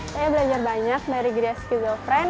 saya belajar banyak dari griaski zofren